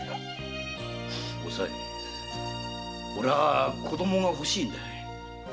おさい俺は子供が欲しいんだよ。